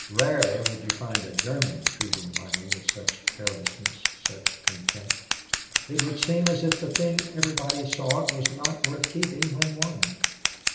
Rarely would you find a German treating money with such carelessness, such contempt. It would seem as if the thing everybody sought was not worth keeping when won.